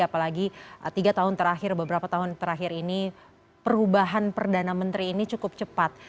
apalagi tiga tahun terakhir beberapa tahun terakhir ini perubahan perdana menteri ini cukup cepat